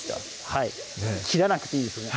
はい切らなくていいですよね